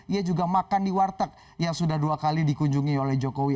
ia juga makan di warteg yang sudah dua kali dikunjungi oleh jokowi